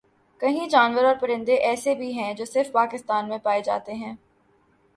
کہیں جانور اور پرندے ایسے بھی ہیں جو صرف پاکستان میں پائے جاتے